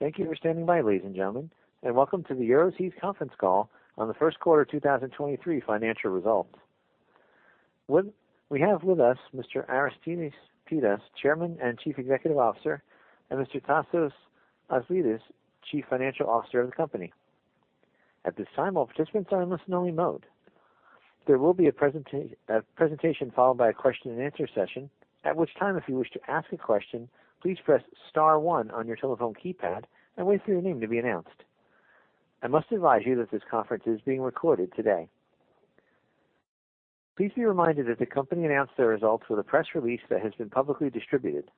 Thank you for standing by, ladies and gentlemen, and welcome to the Euroseas conference call on the first quarter 2023 financial results. What we have with us Mr. Aristides Pittas, Chairman and Chief Executive Officer, and Mr. Tasos Aslidis, Chief Financial Officer of the company. At this time, all participants are in listen-only mode. There will be a presentation followed by a question-and-answer session. At which time, if you wish to ask a question, please press star one on your telephone keypad and wait for your name to be announced. I must advise you that this conference is being recorded today. Please be reminded that the company announced their results with a press release that has been publicly distributed.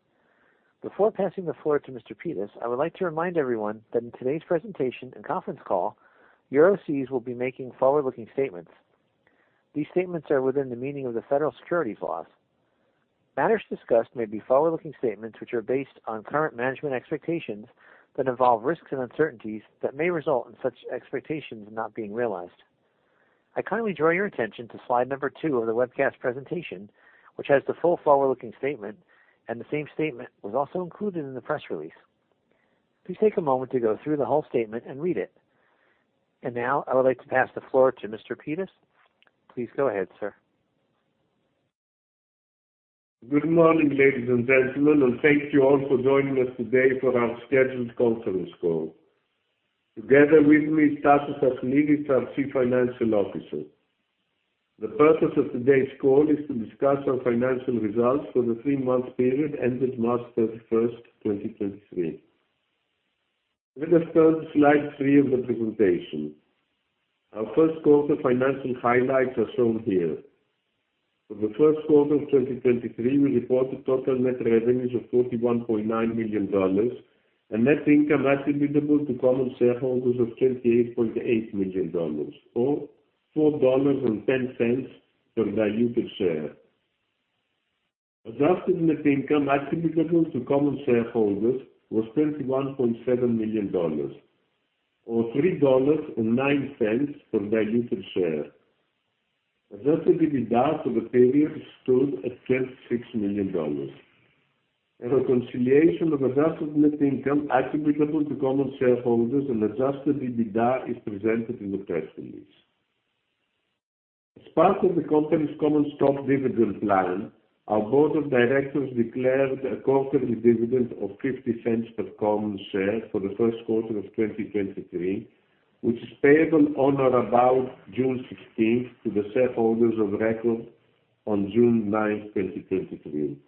Before passing the floor to Mr. Pittas, I would like to remind everyone that in today's presentation and conference call, Euroseas will be making forward-looking statements. These statements are within the meaning of the Federal Securities laws. Matters discussed may be forward-looking statements which are based on current management expectations that involve risks and uncertainties that may result in such expectations not being realized. I kindly draw your attention to slide number two of the webcast presentation, which has the full forward-looking statement, and the same statement was also included in the press release. Please take a moment to go through the whole statement and read it. Now I would like to pass the floor to Mr. Pittas. Please go ahead, sir. Good morning, ladies and gentlemen, and thank you all for joining us today for our scheduled conference call. Together with me is Tasos Aslidis, our Chief Financial Officer. The purpose of today's call is to discuss our financial results for the three-month period ended March 31st, 2023. Let us turn to slide three of the presentation. Our first quarter financial highlights are shown here. For the first quarter of 2023, we reported total net revenues of $41.9 million and net income attributable to common shareholders of $38.8 million or $4.10 per diluted share. Adjusted net income attributable to common shareholders was $31.7 million or $3.09 per diluted share. Adjusted EBITDA for the period stood at $26 million and a reconciliation of adjusted net income attributable to common shareholders and adjusted EBITDA is presented in the press release. As part of the company's common stock dividend plan, our board of directors declared a quarterly dividend of $0.50 per common share for the first quarter of 2023, which is payable on or about June 16th to the shareholders of record on June 9th, 2023.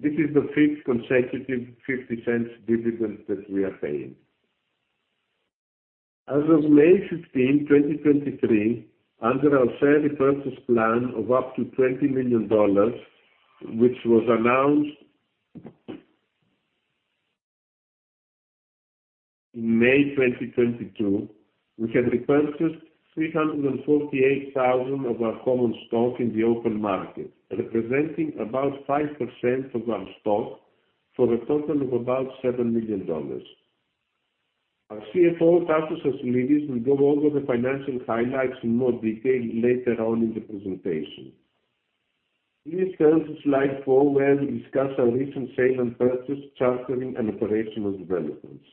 This is the fifth consecutive $0.50 dividend that we are paying. As of May 15, 2023, under our share repurchase plan of up to $20 million, which was announced in May 2022, we have repurchased 348,000 of our common stock in the open market, representing about 5% of our stock for a total of about $7 million. Our CFO, Tasos Aslidis, will go over the financial highlights in more detail later on in the presentation. Please turn to slide four where we discuss our recent sale and purchase, chartering and operational developments.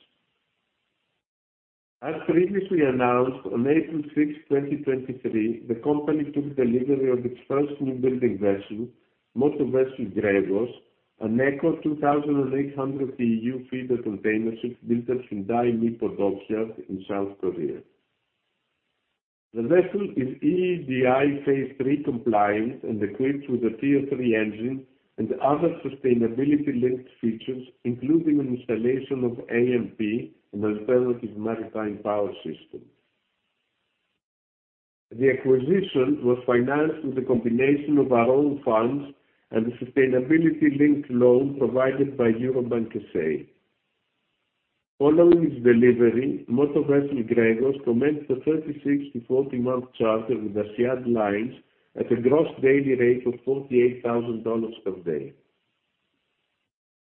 As previously announced on April 6, 2023, the company took delivery of its first newbuilding vessel, motor vessel Gregos, an Eco 2,800 TEU feeder containership built at Hyundai Mipo Dockyard in South Korea. The vessel is EEDI phase III compliant and equipped with a Tier III engine and other sustainability-linked features, including an installation of AMP, an alternative maritime power system. The acquisition was financed with a combination of our own funds and a sustainability-linked loan provided by Eurobank SA. Following its delivery, motor vessel Gregos commenced a 36- to 40-month charter with Asyad Line at a gross daily rate of $48,000 per day.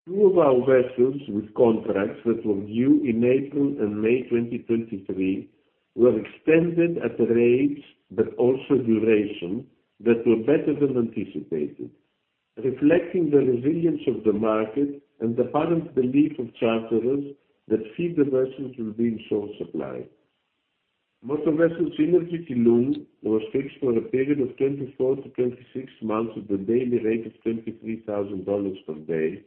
Two of our vessels with contracts that were due in April and May 2023 were extended at rates but also duration that were better than anticipated, reflecting the resilience of the market and the current belief of charterers that feeder vessels will be in short supply. Motor vessel Synergy Keelung was fixed for a period of 24-26 months at a daily rate of $23,000 per day,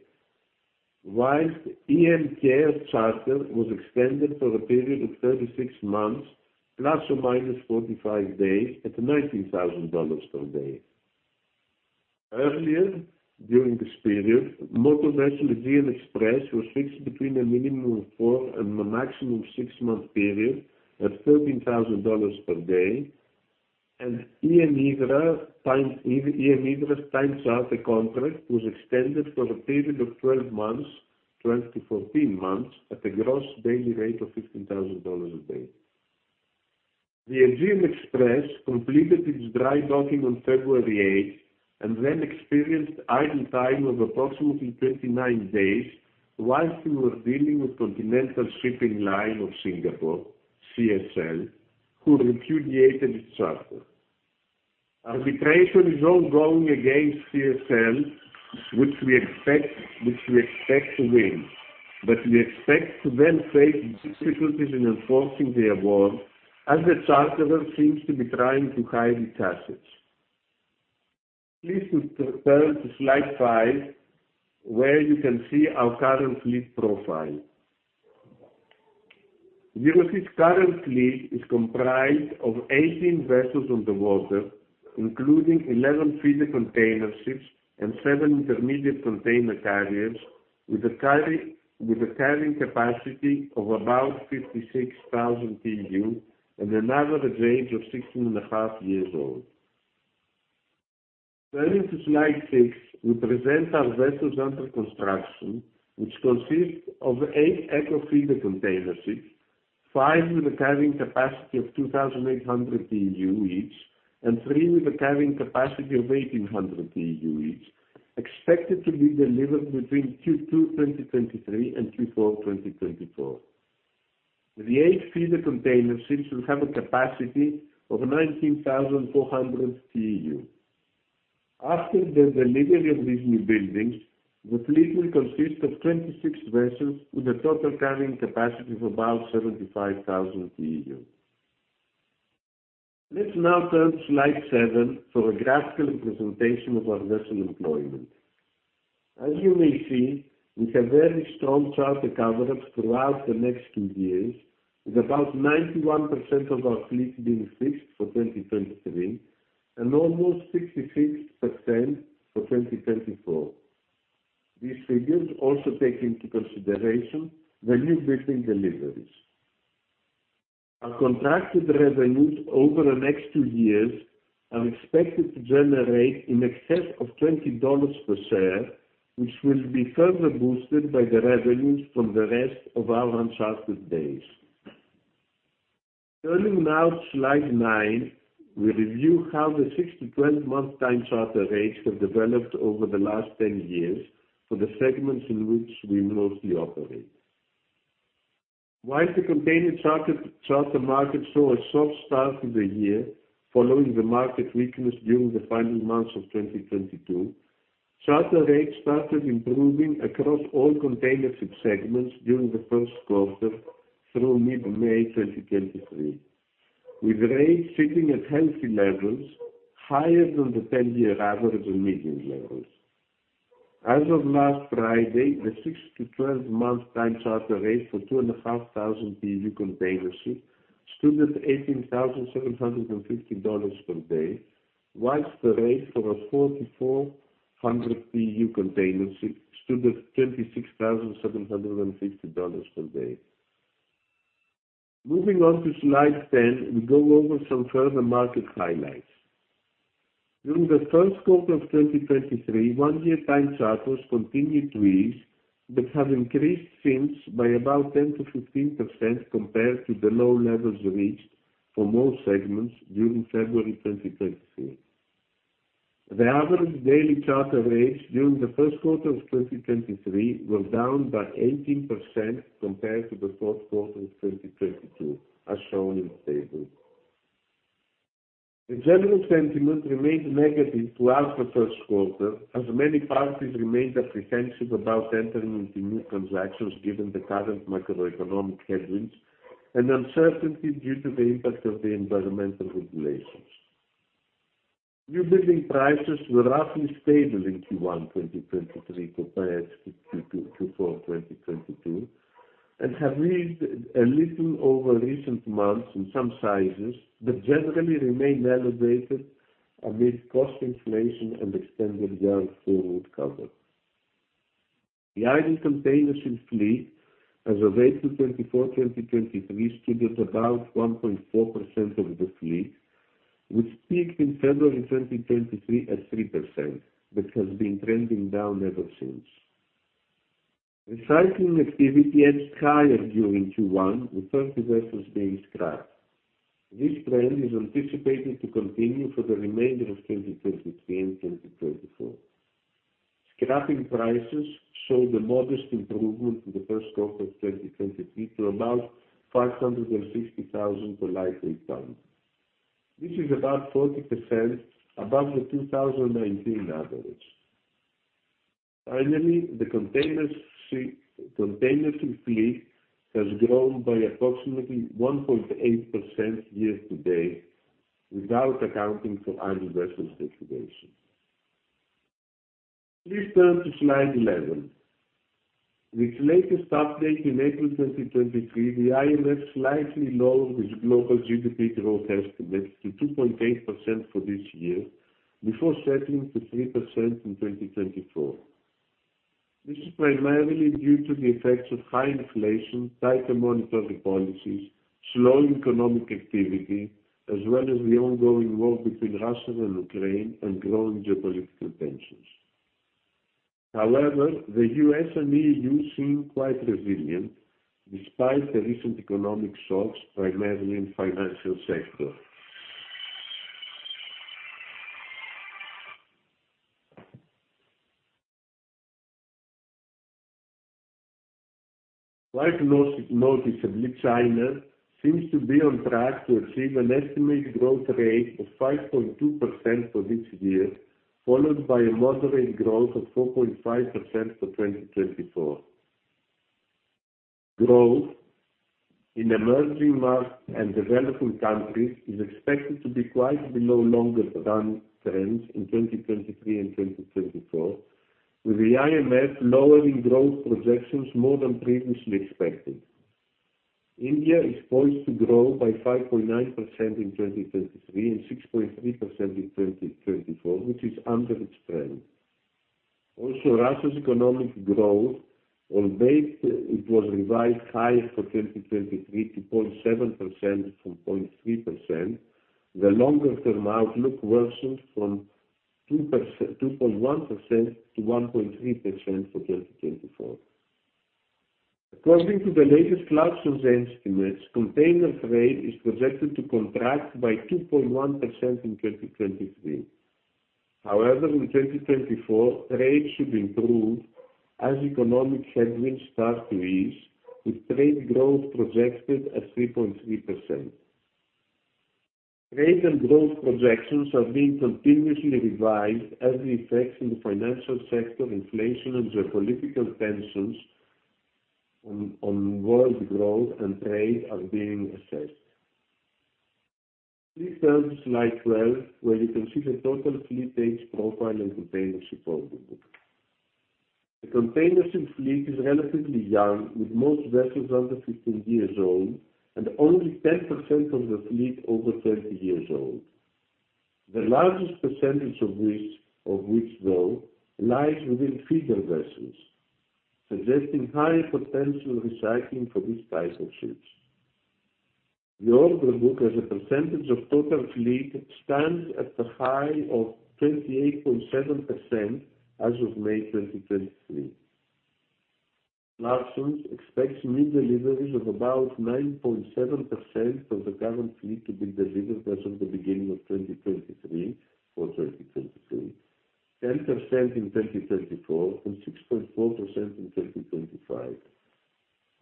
whilst EM Kea charter was extended for a period of 36 months ±45 days at $19,000 per day. Earlier during this period, motor vessel Aegean Express was fixed between a minimum of four and a maximum of six-month period at $13,000 per day. EM Hydra times out contract was extended for a period of 12 months, 12-14 months at a gross daily rate of $15,000 a day. The Aegean Express completed its dry docking on February 8th and then experienced idle time of approximately 29 days whilst we were dealing with Continental Shipping Line of Singapore, CSL, who repudiated its charter. Arbitration is ongoing against CSL, which we expect to win, but we expect to then face difficulties in enforcing the award as the charterer seems to be trying to hide its assets. Please turn to slide five, where you can see our current fleet profile. Euroseas current fleet is comprised of 18 vessels on the water, including 11 feeder containerships and seven intermediate container carriers with a carrying capacity of about 56,000 TEU and an average age of 16.5 years old. Turning to slide six, we present our vessels under construction, which consists of eight eco feeder containerships, five with a carrying capacity of 2,800 TEU each, and three with a carrying capacity of 1,800 TEU each, expected to be delivered between Q2 2023 and Q4 2024. The eight feeder containerships will have a capacity of 19,400 TEU. After the delivery of these newbuildings, the fleet will consist of 26 vessels with a total carrying capacity of about 75,000 TEU. Let's now turn to slide seven for a graphical representation of our vessel employment. As you may see, we have very strong charter coverage throughout the next two years, with about 91% of our fleet being fixed for 2023 and almost 66% for 2024. These figures also take into consideration the newbuilding deliveries. Our contracted revenues over the next two years are expected to generate in excess of $20 per share, which will be further boosted by the revenues from the rest of our unchartered days. Turning now to slide nine, we review how the six to 12-month time charter rates have developed over the last 10 years for the segments in which we mostly operate. While the container charter market saw a soft start to the year following the market weakness during the final months of 2022, charter rates started improving across all containership segments during the first quarter through mid-May 2023, with rates sitting at healthy levels higher than the 10-year average and medium levels. As of last Friday, the six to 12-month time charter rate for 2,500 TEU containership stood at $18,750 per day, while the rate for a 4,400 TEU containership stood at $26,750 per day. Moving on to slide 10, we go over some further market highlights. During the first quarter of 2023, one-year time charters continued to ease but have increased since by about 10%-15% compared to the low levels reached for most segments during February 2023. The average daily charter rates during the first quarter of 2023 were down by 18% compared to the fourth quarter of 2022, as shown in the table. The general sentiment remained negative throughout the first quarter, as many parties remained apprehensive about entering into new transactions given the current macroeconomic headwinds and uncertainty due to the impact of the environmental regulations. Newbuilding prices were roughly stable in Q1 2023 compared to Q4 2022, and have raised a little over recent months in some sizes, but generally remain elevated amid cost inflation and extended yard forward cover. The idle containership fleet as of April 24, 2023, stood at about 1.4% of the fleet, which peaked in February 2023 at 3%, but has been trending down ever since. Recycling activity edged higher during Q1, with 30 vessels being scrapped. This trend is anticipated to continue for the remainder of 2023 and 2024. Scrapping prices showed a modest improvement in the first quarter of 2023 to about $560,000 per Lightweight Tonnage. This is about 40% above the 2019 average. Finally, the containership fleet has grown by approximately 1.8% year-to-date, without accounting for idle vessel situation. Please turn to slide 11. With latest update in April 2023, the IMF slightly lowered its global GDP growth estimates to 2.8% for this year before settling to 3% in 2024. This is primarily due to the effects of high inflation, tighter monetary policies, slow economic activity, as well as the ongoing war between Russia and Ukraine and growing geopolitical tensions. The U.S. and EU seem quite resilient despite the recent economic shocks, primarily in financial sector. Notably, China seems to be on track to achieve an estimated growth rate of 5.2% for this year, followed by a moderate growth of 4.5% for 2024. Growth in emerging markets and developing countries is expected to be quite below longer-run trends in 2023 and 2024, with the IMF lowering growth projections more than previously expected. India is poised to grow by 5.9% in 2023 and 6.3% in 2024, which is under its trend. Russia's economic growth, albeit it was revised higher for 2023 to 0.7% from 0.3%, the longer-term outlook worsened from 2.1% to 1.3% for 2024. According to the latest Clarksons estimates, container freight is projected to contract by 2.1% in 2023. In 2024, rates should improve as economic headwinds start to ease, with trade growth projected at 3.3%. Trade and growth projections are being continuously revised as the effects in the financial sector, inflation, and geopolitical tensions on world growth and trade are being assessed. Please turn to slide 12, where you can see the total fleet age profile and container supported. The containership fleet is relatively young, with most vessels under 15 years old and only 10% of the fleet over 30 years old. The largest percentage of which though lies within feeder vessels, suggesting high potential recycling for this type of ships. The order book as a percentage of total fleet stands at a high of 28.7% as of May 2023. Clarksons expects new deliveries of about 9.7% of the current fleet to be delivered as of the beginning of 2023 for 2023, 10% in 2024, and 6.4% in 2025,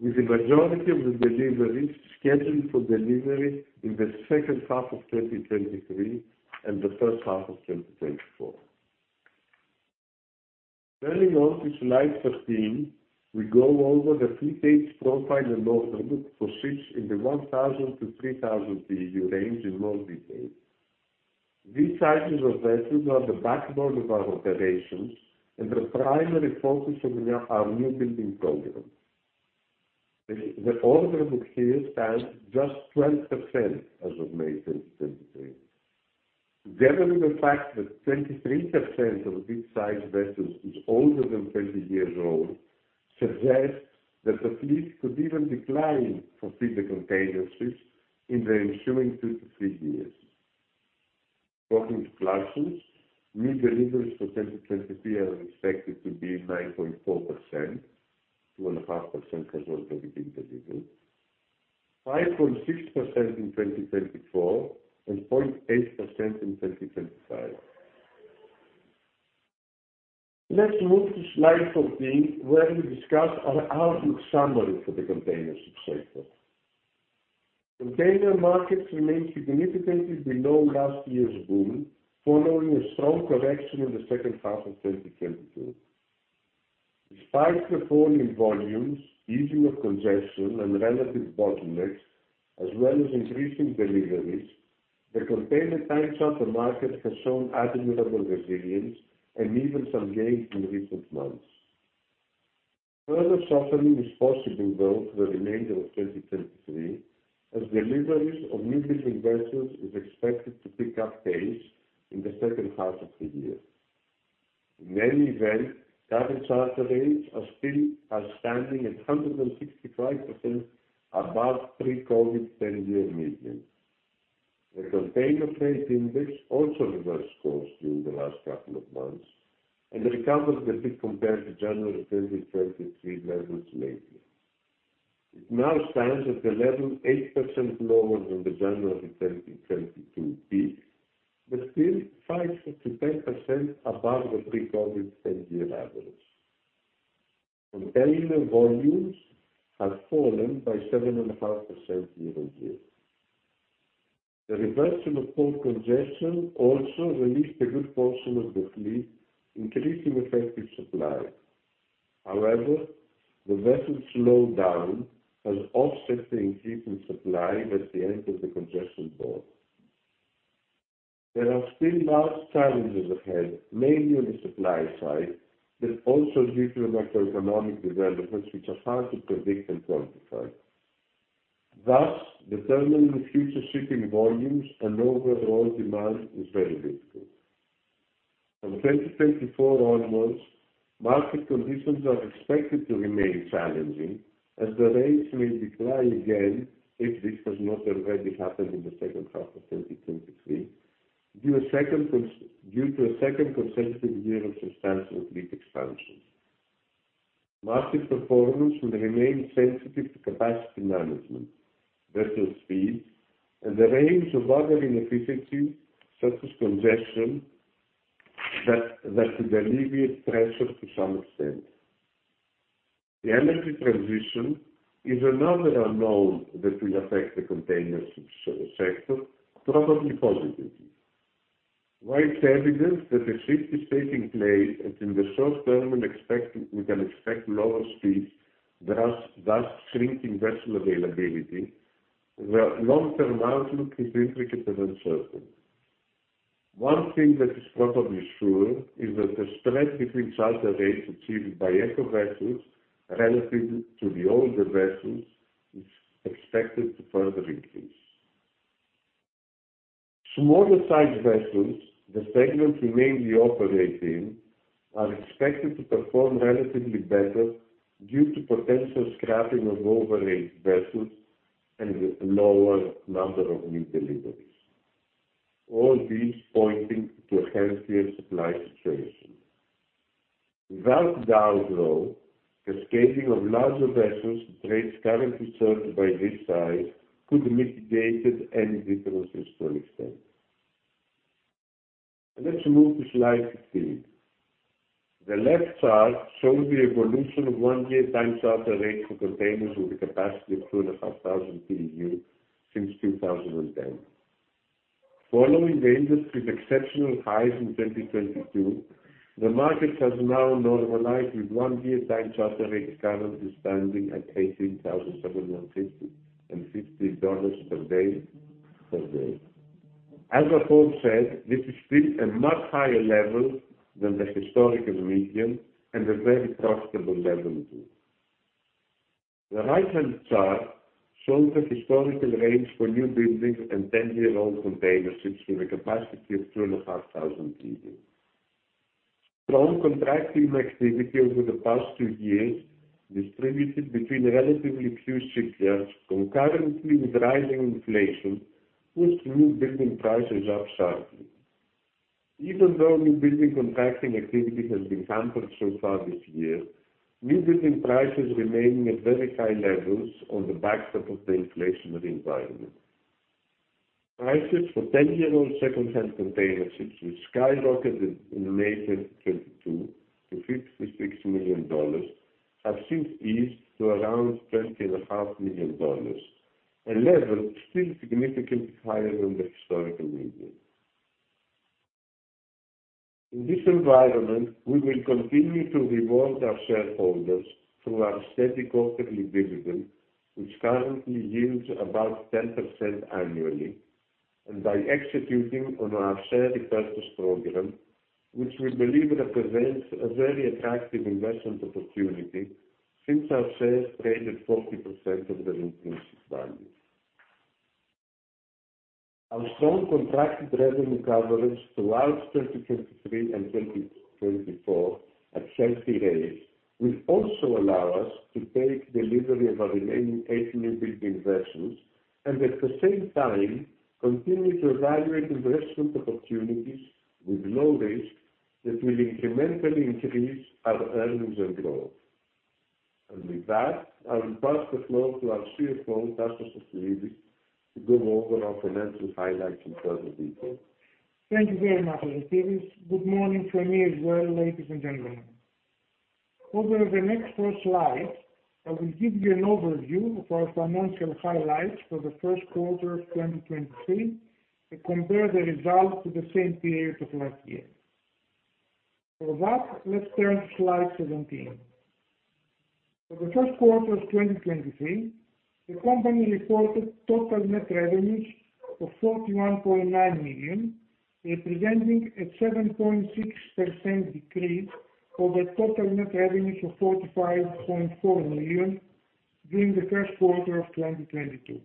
with the majority of the deliveries scheduled for delivery in the second half of 2023 and the first half of 2024. Turning on to slide 13, we go over the fleet age profile and order book for ships in the 1,000 TEU-3,000 TEU range in more detail. These sizes of vessels are the backbone of our operations and the primary focus of our newbuilding program. The order book here stands just 12% as of May 2023. Together with the fact that 23% of this size vessels is older than 30 years old suggests that the fleet could even decline for feeder containerships in the ensuing two to three years. According to Clarksons', new deliveries for 2023 are expected to be 9.4%, 2.5% has already been delivered, 5.6% in 2024, and 0.8% in 2025. Let's move to slide 14, where we discuss our outlook summary for the containership sector. Container markets remain significantly below last year's boom, following a strong correction in the second half of 2022. Despite the fall in volumes, easing of congestion and relative bottlenecks, as well as increasing deliveries, the container time charter market has shown admirable resilience and even some gains in recent months. Further softening is possible though for the remainder of 2023, as deliveries of newly invested is expected to pick up pace in the second half of the year. In any event, current charter rates are still standing at 165% above pre-COVID 10-year median. The Containerized Freight Index also reversed course during the last couple of months and recovered a bit compared to January 2023 levels made. It now stands at a level 8% lower than the January 2022 peak, but still 5%-10% above the pre-COVID 10-year average. Container volumes have fallen by 7.5% year-on-year. The reversal of port congestion also released a good portion of the fleet, increasing effective supply. However, the vessels slowed down has offset the increase in supply at the end of the congestion port. There are still large challenges ahead, mainly on the supply side, but also due to macroeconomic developments which are hard to predict and quantify. Thus, determining the future shipping volumes and overall demand is very difficult. From 2024 onwards, market conditions are expected to remain challenging as the rates may decline again if this has not already happened in the second half of 2023, due to a second consecutive year of substantial fleet expansion. Market performance will remain sensitive to capacity management, vessel speed, and the range of other inefficiencies such as congestion. That will alleviate pressure to some extent. The energy transition is another unknown that will affect the containership sector, probably positively. While it's evident that the shift is taking place and in the short term we can expect lower speeds, thus shrinking vessel availability, the long-term outlook is intricate and uncertain. One thing that is probably sure is that the spread between charter rates achieved by eco vessels relative to the older vessels is expected to further increase. Smaller sized vessels, the segment we mainly operate in, are expected to perform relatively better due to potential scrapping of overaged vessels and the lower number of new deliveries. All these pointing to a healthier supply situation. Without doubt, though, the cascading of larger vessels to trades currently served by this size could mitigate any differences to an extent. Let's move to slide 15. The left chart shows the evolution of one-year Time Charter Equivalent rates for containers with a capacity of 2,500 TEU since 2010. Following the industry's exceptional highs in 2022, the market has now normalized with one-year Time Charter Equivalent rates currently standing at $18,750 per day. As aforementioned, this is still a much higher level than the historical median and a very profitable level too. The right-hand chart shows the historical range for newbuildings and 10-year-old containerships with a capacity of 2,500 TEU. Strong contracting activity over the past two years distributed between relatively few shipyards concurrently with rising inflation pushed newbuilding prices up sharply. Even though newbuilding contracting activity has been hampered so far this year, newbuilding prices remaining at very high levels on the backstop of the inflationary environment. Prices for 10-year-old secondhand containerships which skyrocketed in May 2022 to $56 million have since eased to around $20.5 million, a level still significantly higher than the historical median. In this environment, we will continue to reward our shareholders through our steady quarterly dividend, which currently yields about 10% annually, and by executing on our share repurchase program, which we believe represents a very attractive investment opportunity since our shares trade at 40% of their intrinsic value. Our strong contracted revenue coverage throughout 2023 and 2024 at healthy rates will also allow us to take delivery of our remaining eight newbuilding vessels and at the same time continue to evaluate investment opportunities with low risk that will incrementally increase our earnings and growth. With that, I will pass the floor to our CFO, Tasos Aslidis, to go over our financial highlights in further detail. Thank you very much, Aristides. Good morning from me as well, ladies and gentlemen. Over the next four slides, I will give you an overview of our financial highlights for the first quarter of 2023 and compare the results to the same period of last year. Let's turn to slide 17. For the first quarter of 2023, the company reported total net revenues of $41.9 million, representing a 7.6% decrease over total net revenues of $45.4 million during the first quarter of 2022.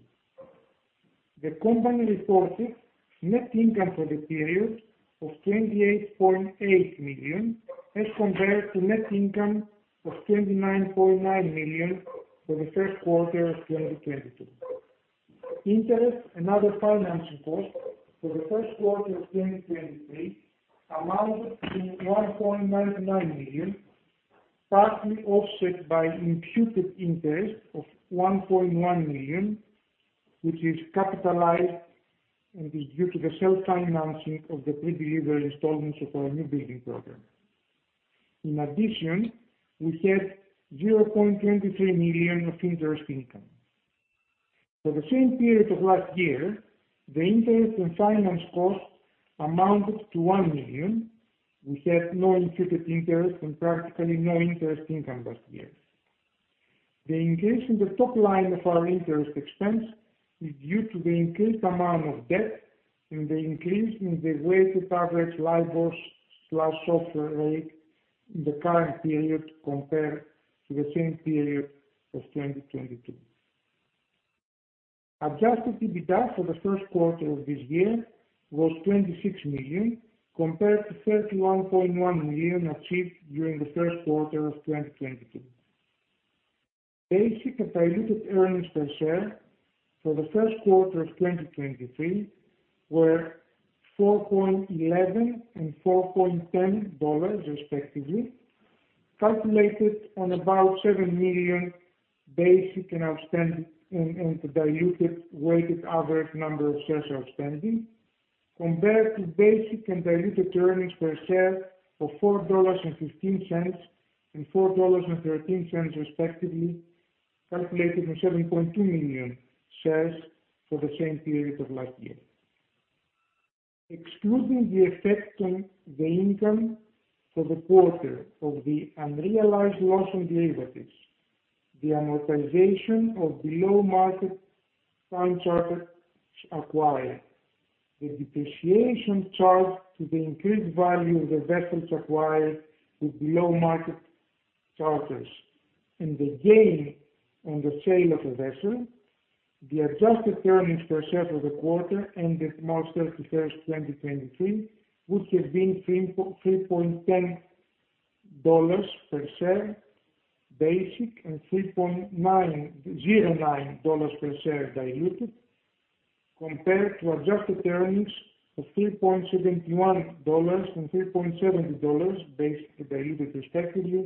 The company reported net income for the period of $28.8 million as compared to net income of $29.9 million for the first quarter of 2022. Interest and other financing costs for the first quarter of 2023 amounted to $1.99 million, partly offset by imputed interest of $1.1 million, which is capitalized and is due to the self-financing of the predelivery installments of our newbuilding program. In addition, we had $0.23 million of interest income. For the same period of last year, the interest and finance costs amounted to $1 million. We had no imputed interest and practically no interest income last year. The increase in the top line of our interest expense is due to the increased amount of debt and the increase in the weighted average LIBOR/SOFR rate in the current period compared to the same period of 2022. Adjusted EBITDA for the first quarter of this year was $26 million, compared to $31.1 million achieved during the first quarter of 2022. Basic and diluted earnings per share for the first quarter of 2023 were $4.11 and $4.10 respectively. Calculated on about seven million basic and outstanding and diluted weighted average number of shares outstanding compared to basic and diluted earnings per share of $4.15 and $4.13 respectively, calculated on 7.2 million shares for the same period of last year. Excluding the effect on the income for the quarter of the unrealized loss on derivatives, the amortization of below market time charter acquired, the depreciation charged to the increased value of the vessels acquired with below market charters, and the gain on the sale of a vessel, the adjusted earnings per share for the quarter ended March 31, 2023 would have been $3.10 per share basic and $3.909 per share diluted, compared to adjusted earnings of $3.71 and $3.70 basic and diluted respectively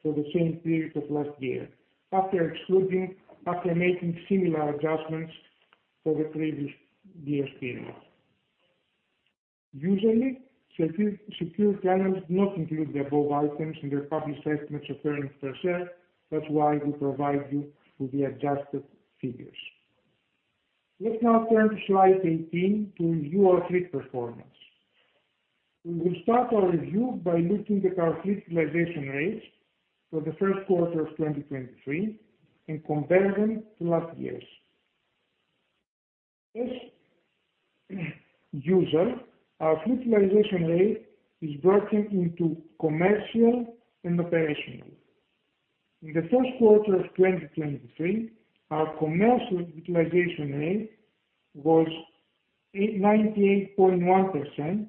for the same period of last year excluding after making similar adjustments for the previous year's period. Usually, securities analysts do not include the above items in their published estimates of earnings per share. That's why we provide you with the adjusted figures. Let's now turn to slide 18 to review our fleet performance. We will start our review by looking at our fleet utilization rates for the first quarter of 2023 and compare them to last year's. As usual, our fleet utilization rate is broken into commercial and operational. In the first quarter of 2023, our commercial utilization rate was 98.1%,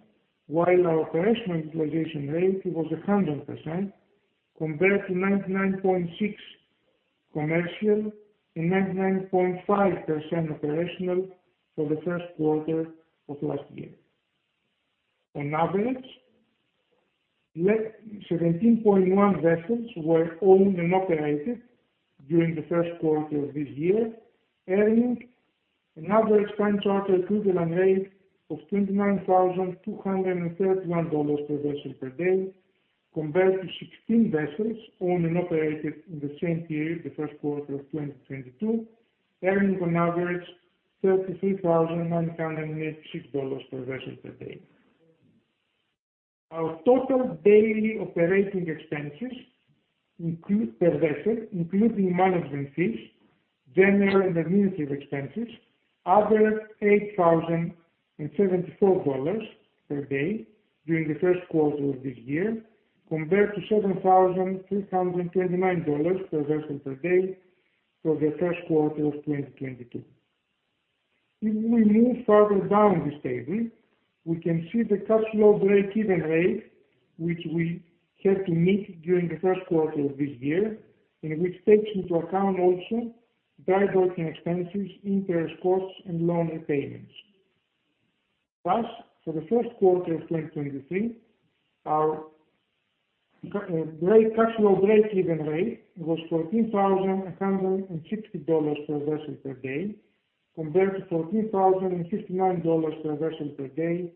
while our operational utilization rate was 100% compared to 99.6% commercial and 99.5% operational for the first quarter of last year. On average, 17.1 vessels were owned and operated during the first quarter of this year, earning an average Time Charter Equivalent rate of $29,231 per vessel per day compared to 16 vessels owned and operated in the same period, the first quarter of 2022, earning on average $33,986 per vessel per day. Our total daily operating expenses include per vessel, including management fees, general and administrative expenses, other $8,074 per day during the first quarter of this year compared to $7,329 per vessel per day for the first quarter of 2022. If we move further down this table, we can see the cash flow breakeven rate, which we had to meet during the first quarter of this year, and which takes into account also drydocking expenses, interest costs, and loan repayments. Thus, for the first quarter of 2023, our cash flow breakeven rate was $14,160 per vessel per day compared to $14,059 per vessel per day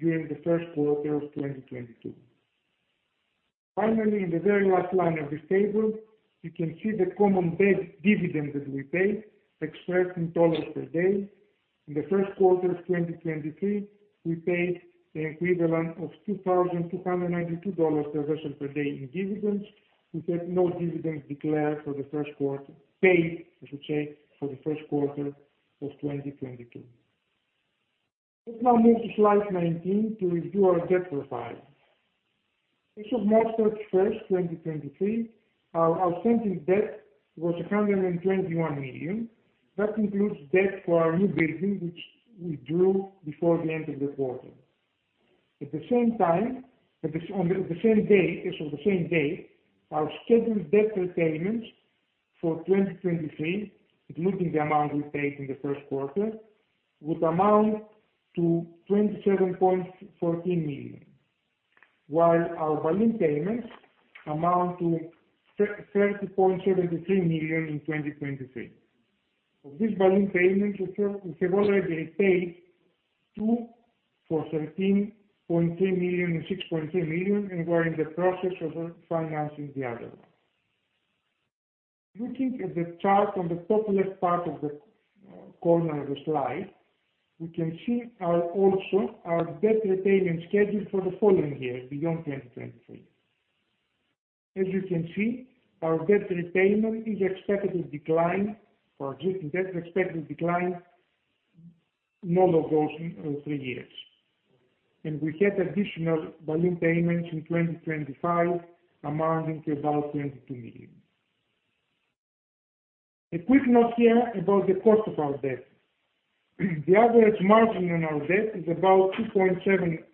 during the first quarter of 2022. Finally, in the very last line of this table, you can see the common dividend that we paid expressed in dollars per day. In the first quarter of 2023, we paid the equivalent of $2,292 per vessel per day in dividends. We had no dividends declared for the first quarter, paid, I should say, for the first quarter of 2022. Let's now move to slide 19 to review our debt profile. As of March 31st, 2023, our outstanding debt was $121 million. That includes debt for our newbuilding, which we drew before the end of the quarter. At the same time, on the same day, as of the same day, our scheduled debt repayments for 2023, including the amount we paid in the first quarter, would amount to $27.14 million, while our balloon payments amount to $30.73 million in 2023. Of these balloon payments, we have already paid two for $13.3 million and $6.3 million and we're in the process of financing the other one. Looking at the chart on the top left part of the corner of the slide, we can see our also our debt repayment schedule for the following years beyond 2023. As you can see, our debt repayment is expected to decline or existing debt is expected to decline no levels in three years. We have additional balloon payments in 2025 amounting to about $22 million. A quick note here about the cost of our debt. The average margin on our debt is about 2.771%.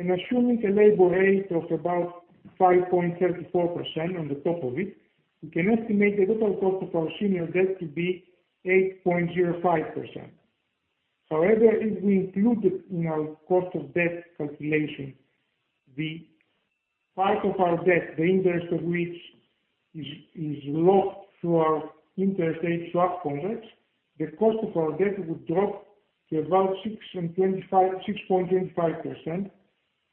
Assuming a LIBOR rate of about 5.34% on the top of it, we can estimate the total cost of our senior debt to be 8.05%. If we included in our cost of debt calculation, the part of our debt, the interest of which is locked through our interest rate swap contracts, the cost of our debt would drop to about 6.25%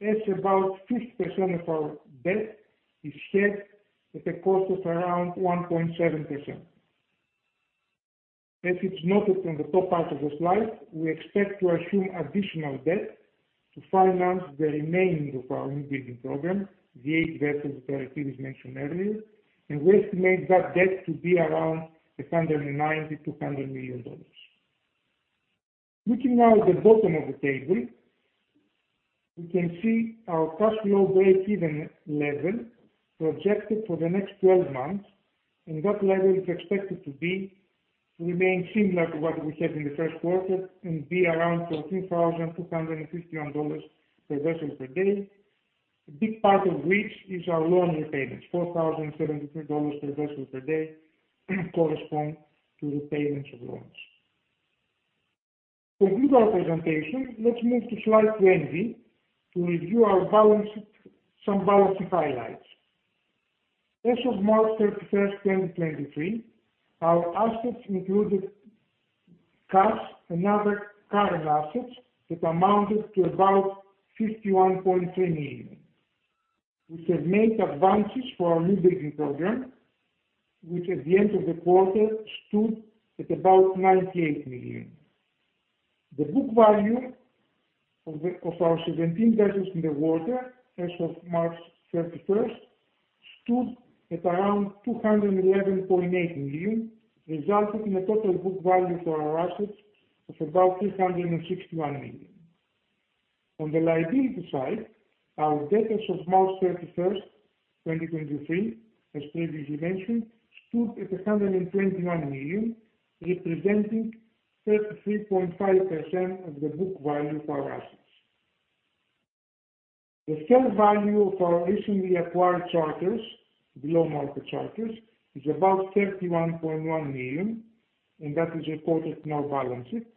as about 50% of our debt is hedged at a cost of around 1.7%. As it's noted on the top half of the slide, we expect to assume additional debt to finance the remaining of our newbuilding program, the eight vessels that I previously mentioned earlier, and we estimate that debt to be around $190 million-$100 million. Looking now at the bottom of the table, we can see our cash flow breakeven level projected for the next 12 months, and that level is expected to be remain similar to what we had in the first quarter and be around $14,251 per vessel per day. A big part of which is our loan repayments, $4,073 per vessel per day correspond to repayments of loans. To conclude our presentation, let's move to slide 20 to review our balance sheet, some balance sheet highlights. As of March 31st, 2023, our assets included cash and other current assets that amounted to about $51.3 million. We have made advances for our newbuilding program, which at the end of the quarter stood at about $98 million. The book value of our 17 vessels in the water as of March 31st stood at around $211.8 million, resulting in a total book value for our assets of about $361 million. On the liability side, our debt as of March 31st, 2023, as previously mentioned, stood at $121 million, representing 33.5% of the book value of our assets. The fair value of our recently acquired charters, below market charters, is about $31.1 million, and that is reported in our balance sheet.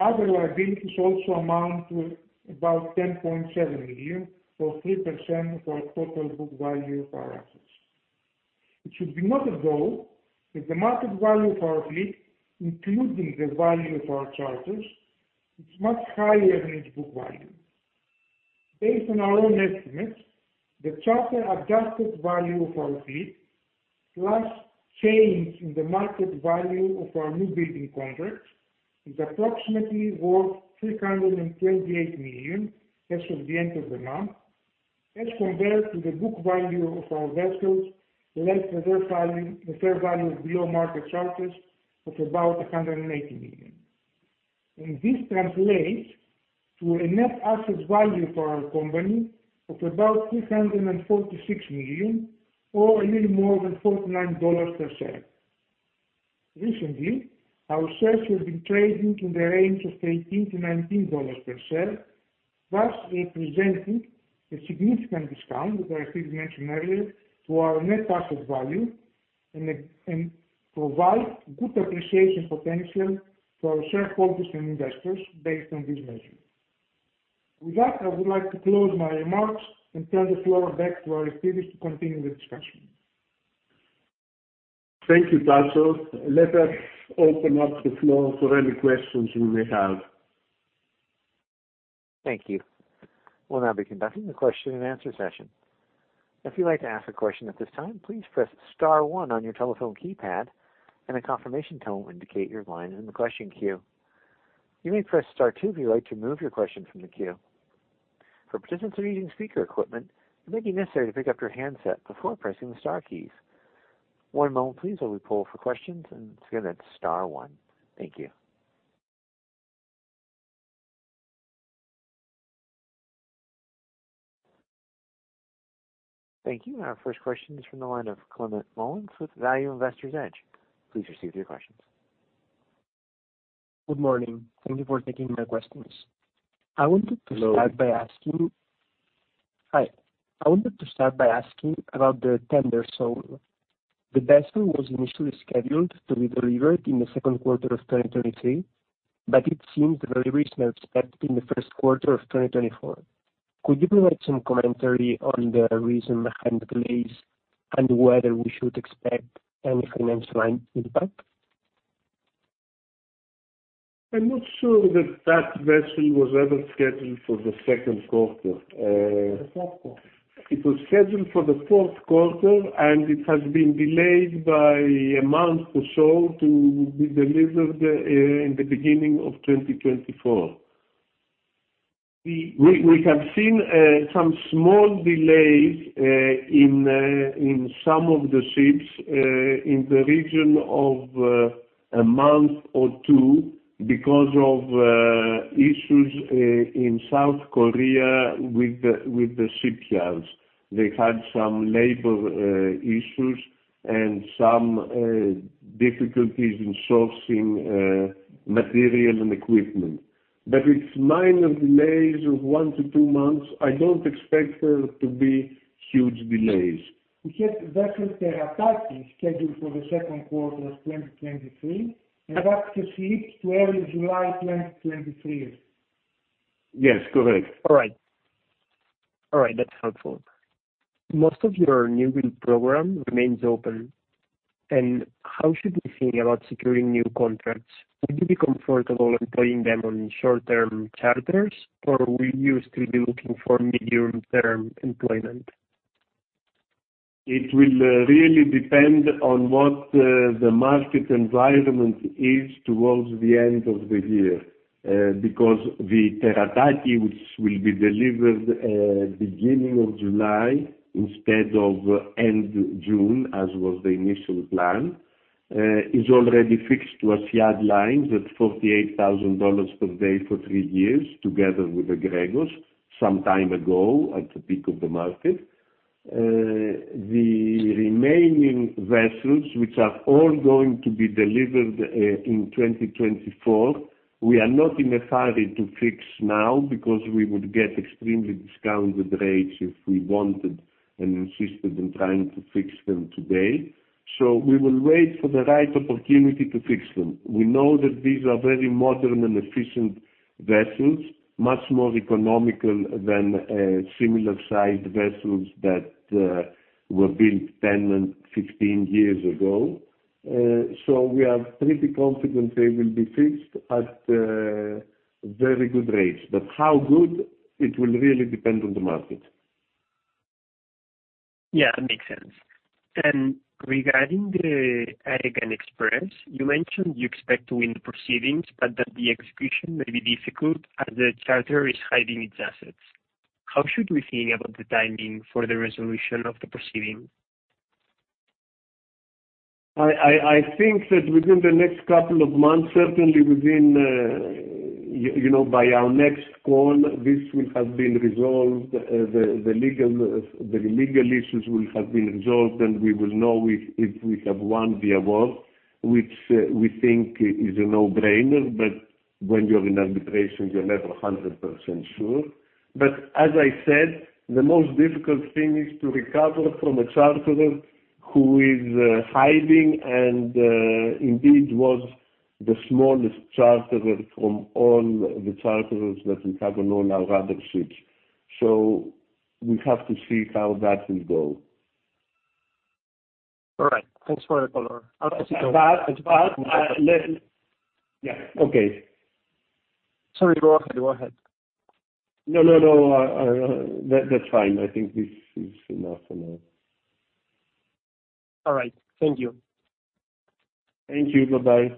Other liabilities also amount to about $10.7 million, or 3% of our total book value of our assets. It should be noted, though, that the market value of our fleet, including the value of our charters, is much higher than its book value. Based on our own estimates, the charter adjusted value of our fleet, plus change in the market value of our newbuilding contracts, is approximately worth $328 million as of the end of the month. Compared to the book value of our vessels, less the fair value of below market charters of about $180 million. This translates to a net asset value for our company of about $346 million or a little more than $49 per share. Recently, our shares have been trading in the range of $18-$19 per share, thus representing a significant discount that I previously mentioned earlier to our net asset value and provide good appreciation potential for our shareholders and investors based on this measure. With that, I would like to close my remarks and turn the floor back to our speakers to continue the discussion. Thank you, Tasos. Let us open up the floor for any questions we may have. Thank you. We'll now be conducting a question-and-answer session. If you'd like to ask a question at this time, please press star one on your telephone keypad, and a confirmation tone will indicate your line in the question queue. You may press star two if you'd like to remove your question from the queue. For participants who are using speaker equipment, it may be necessary to pick up your handset before pressing the star keys. One moment please while we poll for questions. Again, that's star one. Thank you. Thank you. Our first question is from the line of Climent Molins with Value Investor's Edge. Please proceed with your questions. Good morning. Thank you for taking my questions. I wanted to start by asking. Hello. Hi. I wanted to start by asking about the Tender Soul. The vessel was initially scheduled to be delivered in the second quarter of 2023, but it seems the delivery is now expected in the first quarter of 2024. Could you provide some commentary on the reason behind the delays and whether we should expect any financial impact? I'm not sure that that vessel was ever scheduled for the second quarter. The fourth quarter. It was scheduled for the fourth quarter. It has been delayed by a month or so to be delivered in the beginning of 2024. We have seen some small delays in some of the ships in the region of a month or two because of issues in South Korea with the shipyards. They had some labor issues and some difficulties in sourcing material and equipment. It's minor delays of one to two months. I don't expect there to be huge delays. We had vessel Terataki scheduled for the second quarter of 2023, and that slipped to early July 2023. Yes, correct. All right, that's helpful. Most of your newbuild program remains open. How should we think about securing new contracts? Would you be comfortable employing them on short-term charters, or will you still be looking for medium-term employment? It will really depend on what the market environment is towards the end of the year, because the Terataki, which will be delivered beginning of July instead of end June, as was the initial plan, is already fixed to a Asyad Line with $48,000 per day for three years, together with the Gregos some time ago at the peak of the market. The remaining vessels, which are all going to be delivered in 2024, we are not in a hurry to fix now because we would get extremely discounted rates if we wanted and insisted in trying to fix them today. We will wait for the right opportunity to fix them. We know that these are very modern and efficient vessels, much more economical than similar sized vessels that were built 10 and 15 years ago. We are pretty confident they will be fixed at very good rates. How good it will really depend on the market. Yeah, that makes sense. Regarding the Aegean Express, you mentioned you expect to win the proceedings but that the execution may be difficult as the charter is hiding its assets. How should we think about the timing for the resolution of the proceeding? I think that within the next couple of months, certainly within, you know, by our next call, this will have been resolved. The legal issues will have been resolved, and we will know if we have won the award, which we think is a no-brainer. When you're in arbitration, you're never 100% sure. As I said, the most difficult thing is to recover from a charterer who is hiding and indeed was the smallest charterer from all the charterers that we have on all our other ships. We have to see how that will go. All right. Thanks for the call. Yeah. Okay. Sorry. Go ahead. No, no. That, that's fine. I think this is enough for now. All right. Thank you. Thank you. Bye-bye.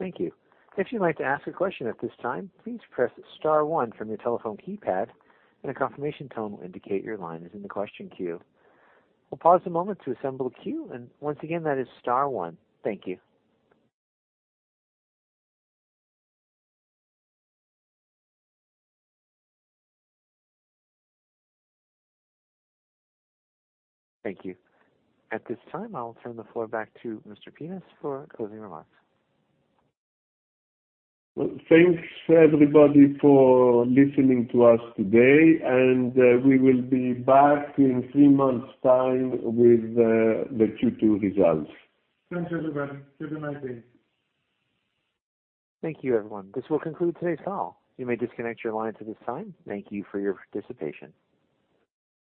Thank you. If you'd like to ask a question at this time, please press star one from your telephone keypad and a confirmation tone will indicate your line is in the question queue. We'll pause a moment to assemble a queue. Once again, that is star one. Thank you. Thank you. At this time, I'll turn the floor back to Mr. Pittas for closing remarks. Well, thanks, everybody, for listening to us today. We will be back in three months' time with the Q2 results. Thanks, everyone. Have a nice day. Thank you, everyone. This will conclude today's call. You may disconnect your lines at this time. Thank you for your participation.